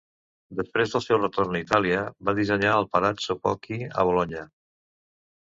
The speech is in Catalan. Després del seu retorn a Itàlia, va dissenyar el Palazzo Bocchi a Bolonya.